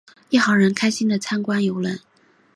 一行人开心的参观邮轮。